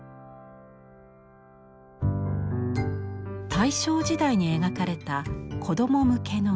大正時代に描かれた子供向けの絵。